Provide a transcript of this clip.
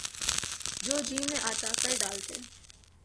جو جی میں آتا کر ڈالتے۔